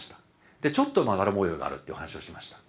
でちょっとまだら模様があるっていう話をしました。